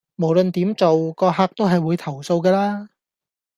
無論點做個客都係會投訴㗎啦